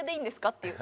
っていう。